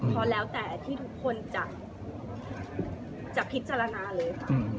พอแล้วแต่ที่ทุกคนจะพิจารณาเลยค่ะ